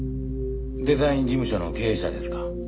デザイン事務所の経営者ですか。